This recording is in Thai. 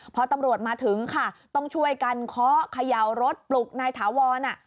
พอตำรวจมาถึงค่ะต้องช่วยกันเคาะเขย่ารถปลุกนายถาวร